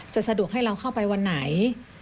สะดวกให้เราเข้าไปวันไหน